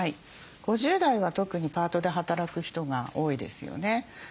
５０代は特にパートで働く人が多いですよね。